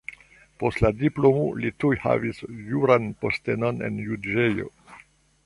Post la diplomo li tuj havis juran postenon en juĝejo.